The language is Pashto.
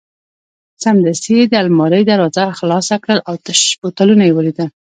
سمدستي یې د المارۍ دروازه خلاصه کړل او تش بوتلونه یې ولیدل.